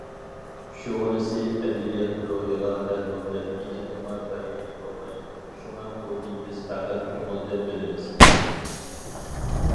شۇغىنىسى ئەدەبىيات روھىغا دەلمۇ دەل ئېنىقلىما بەرگىلى بولمايدۇ، شۇڭا ئۇنى بىز پەقەت كۆڭۈلدە بىلىمىز.